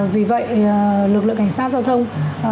vì vậy lực lượng cảnh sát giao thông